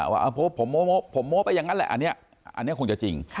ว่าผมโม้ไปอย่างนั้นแหละอันนี้คงจะจริง